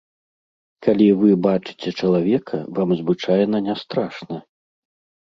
Калі вы бачыце чалавека, вам звычайна не страшна.